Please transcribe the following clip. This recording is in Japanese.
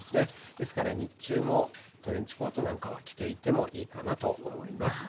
ですから日中も、トレンチコートなんかは着ていてもいいかなと思います。